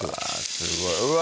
すごいうわ！